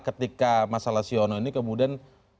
ketika masalah si uno ini kemudian